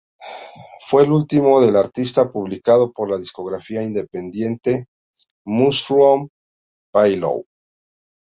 Fue el último del artista publicado por la discográfica independiente Mushroom Pillow.